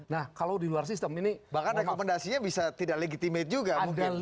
bahkan rekomendasinya bisa tidak legitimate juga